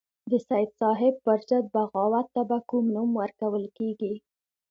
د سید صاحب پر ضد بغاوت ته به کوم نوم ورکول کېږي.